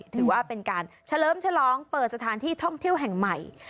ถือว่าเป็นการเฉลิมฉลองเปิดสถานที่ท่องเที่ยวแห่งใหม่